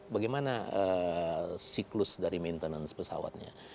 bagaimana siklus dari maintenance pesawatnya